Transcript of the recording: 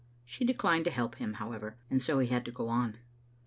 She declined to help him, however, and so he had to go on.